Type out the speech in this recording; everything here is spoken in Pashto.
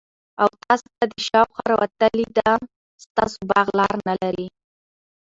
او تاسي ته دشاخوا راوتلي ده ستاسو باغ لار نلري